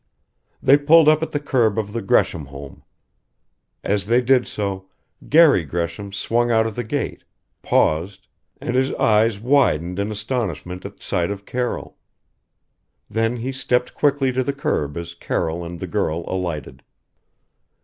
They pulled up at the curb of the Gresham home. As they did so Garry Gresham swung out of the gate, paused and his eyes widened in astonishment at sight of Carroll. Then he stepped quickly to the curb as Carroll and the girl alighted.